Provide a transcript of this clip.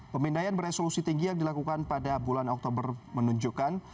pemindaian beresolusi tinggi yang dilakukan pada bulan oktober menunjukkan